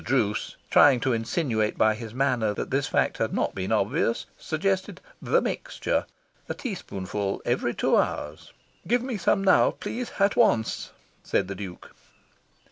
Druce, trying to insinuate by his manner that this fact had not been obvious, suggested the Mixture a teaspoonful every two hours. "Give me some now, please, at once," said the Duke.